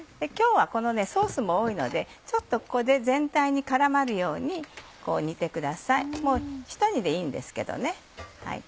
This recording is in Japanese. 今日はソースも多いのでちょっとここで全体に絡まるように煮てくださいもうひと煮でいいんですけどね。